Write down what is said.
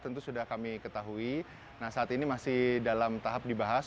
terima kasih terima kasih